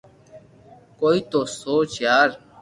ڪوئي تو سوچ يار